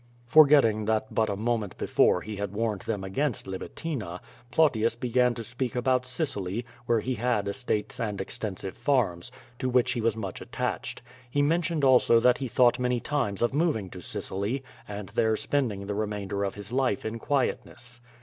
Forgetting that but a moment before he had warned them against Libitina, Plautius began to speak about Sicily, where he had estates and extensive farms, to which he was much attached. He mentioned also that he thought many times of moving to Sicily and there spending the remainder of his life in quietness.